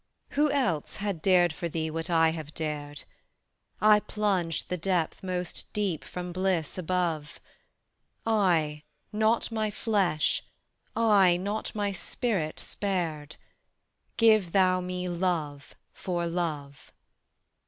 Who else had dared for thee what I have dared? I plunged the depth most deep from bliss above; I not My flesh, I not My spirit spared: Give thou Me love for love.